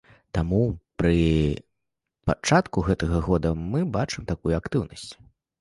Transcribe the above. Таму пры пачатку гэтага года мы бачым такую актыўнасць.